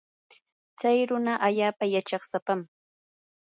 chay runa allaapa yachaysapam.